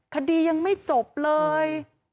คดียังไม่จบเลย